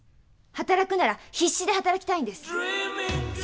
働くなら必死で働きたいんです！